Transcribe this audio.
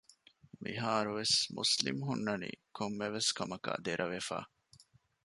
މިހާރުވެސް މުސްލިމް ހުންނަނީ ކޮންމެވެސް ކަމަކާއި ދެރަވެފަ